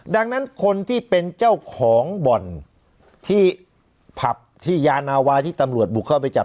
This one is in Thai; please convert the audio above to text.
ดังนั้นคนที่เป็นเจ้าของบ่อนที่ผับที่ยานาวาที่ตำรวจบุกเข้าไปจับ